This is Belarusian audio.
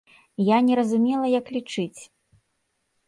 Я не разумела, як лічыць.